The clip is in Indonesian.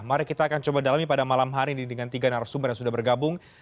mari kita akan coba dalami pada malam hari ini dengan tiga narasumber yang sudah bergabung